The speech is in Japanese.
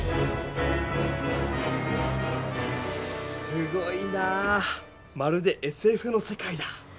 すごいなぁまるでＳＦの世界だ！